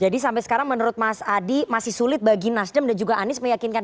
jadi sampai sekarang menurut mas adi masih sulit bagi nasdem dan juga anies meyakinkan